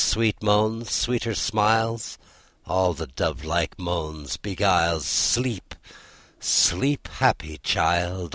Sweet moans, sweeter smiles, All the dovelike moans beguiles. Sleep, sleep, happy child!